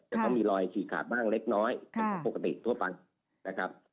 จะต้องมีรอยฉีกขาดบ้างเล็กน้อยเป็นของปกติทั่วไปนะครับ